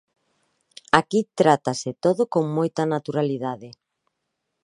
Aquí trátase todo con moita naturalidade.